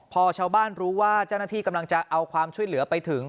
พอชาวบ้านรู้ว่าเจ้าหน้าที่กำลังจะเอาความช่วยเหลือไปถึง